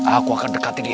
aku akan dekati dia